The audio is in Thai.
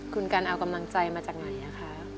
คุณกันเอากำลังใจมาจากไหนคะ